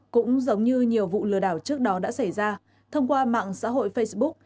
cũng giống như nhiều vụ lừa đảo trước đó đã xảy ra thông qua mạng xã hội facebook